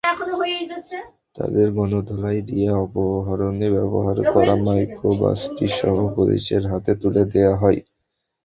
তাঁদের গণধোলাই দিয়ে অপহরণে ব্যবহার করা মাইক্রো-বাসটিসহ পুলিশের হাতে তুলে দেওয়া হয়।